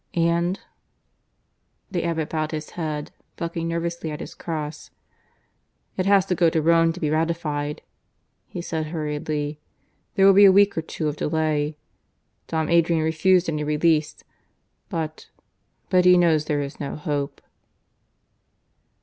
"And " The abbot bowed his head, plucking nervously at his cross. "It has to go to Rome to be ratified," he said hurriedly. "There will be a week or two of delay. Dom Adrian refused any release. But ... but he knows there is no hope."